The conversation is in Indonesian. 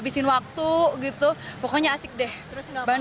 di sini ada jalan jalan seperti ini